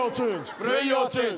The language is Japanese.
プレイヤーチェンジ。